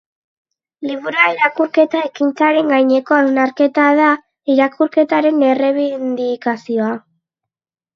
Liburua irakurketa ekintzaren gaineko hausnarketa da, irakurketaren errebindikazioa.